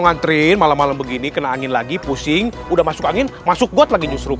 ngantri malam malam begini kena angin lagi pusing udah masuk angin masuk got lagi justru